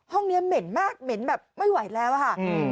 ห้องนี้เหม็นมากเหม็นแบบไม่ไหวแล้วอะค่ะ